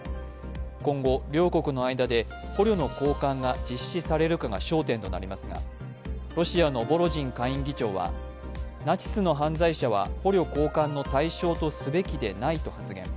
今後、両国の間で捕虜の交換が実施されるかが焦点となりますがロシアのボロジン下院議長はナチスの犯罪者は捕虜交換の対象とすべきでないと発言。